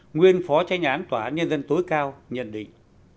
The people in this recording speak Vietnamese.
nguyên phó tranh án tòa án nhân dân tối cao nhận định